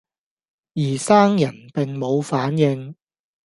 而生人並無反應，